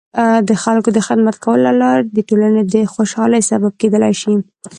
د خلکو د خدمت کولو له لارې د ټولنې د خوشحالۍ سبب کیدلای شي.